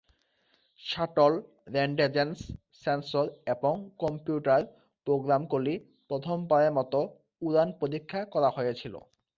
Shuttle rendezvous sensor এবং computer প্রোগ্রামগুলি প্রথমবারের মতো উড়ান-পরীক্ষা করা হয়েছিল।